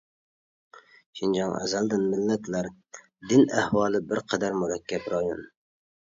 شىنجاڭ ئەزەلدىن مىللەتلەر، دىن ئەھۋالى بىر قەدەر مۇرەككەپ رايون.